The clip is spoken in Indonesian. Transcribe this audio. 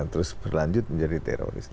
terus berlanjut menjadi terorisme